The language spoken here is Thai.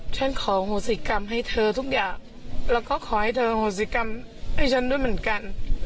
ฉันขอโหสิกรรมให้เธอทุกอย่างแล้วก็ขอให้เธอโหสิกรรมให้ฉันด้วยเหมือนกัน